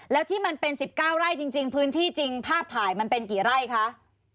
แล้วที่มันเป็น๑๙ไร่จริงพื้นที่จริงภาพถ่ายมันเป็นกี่ไร่คะ